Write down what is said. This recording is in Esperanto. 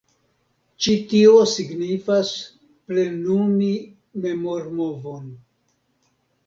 Ĉi tio signifas plenumi memormovon.